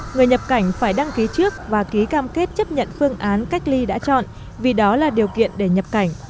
người nhập cảnh phải đăng ký trước và ký cam kết chấp nhận phương án cách ly đã chọn vì đó là điều kiện để nhập cảnh